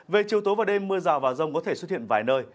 về chiều tối và đêm mưa rào và rông có thể xuất hiện vài nơi